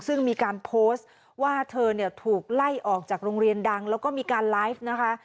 ซึ่งมีการโพสต์ว่าเธอเนี่ยถูกไล่ออกจากโรงเรียนดังแล้วก็มีการไลฟ์นะคะ